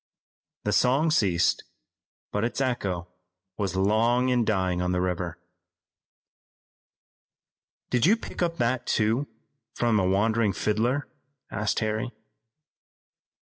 The song ceased, but its echo was long in dying on the river. "Did you pick up that, too, from a wandering fiddler?" asked Harry.